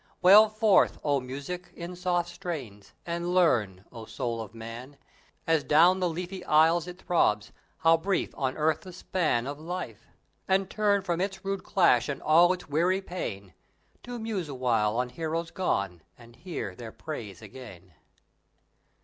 Wail forth, oh music, in soft strains, and learn, oh soul of man, As down the leafy aisles it throbs, how brief on earth the span Of Life, and turn from its rude clash and all its weary pain, To muse awhile on heroes gone and hear their praise again.